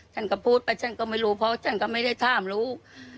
ชั้นก็พูดว่าชั้นก็ไม่รู้